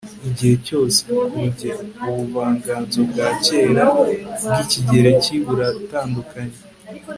igihe cyose. kurugero, ubuvanganzo bwa kera bwikigereki buratandukanye